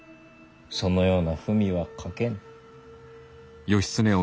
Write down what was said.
そのような文は書けぬ。